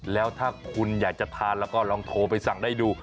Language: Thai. แล้วถ้าคุณอยากจะทานแล้วก็ลองโทรไปสั่งได้ดู